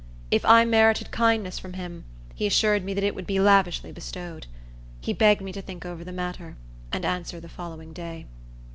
If I merited kindness from him, he assured me that it would be lavishly bestowed. He begged me to think over the matter, and answer the following day.